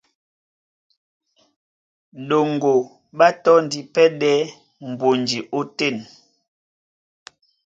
Ɗoŋgo ɓá tɔ́ndi pɛ́ ɗɛ́ mbonji ótên.